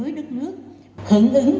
với đất nước hưởng ứng